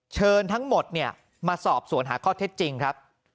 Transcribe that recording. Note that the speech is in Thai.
เชิญทั้งหมดมาสอบสวนหาข้อเท็จจริงครับ